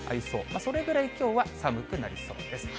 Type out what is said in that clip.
それぐらいきょうは寒くなりそうです。